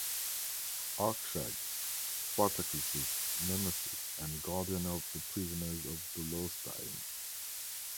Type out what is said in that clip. Arkshag: Spartakus' nemesis and guardian of the Prisoners of the Lost Time.